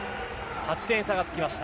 ８点差がつきました。